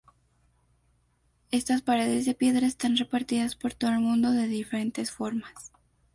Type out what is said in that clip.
Estas paredes de piedra están repartidas por todo el mundo de diferentes formas.